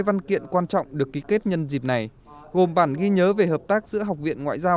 văn kiện quan trọng được ký kết nhân dịp này gồm bản ghi nhớ về hợp tác giữa học viện ngoại giao